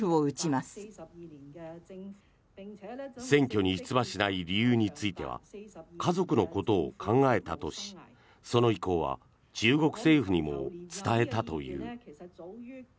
選挙に出馬しない理由については家族のことを考えたとしその意向は中国政府にも伝えたという。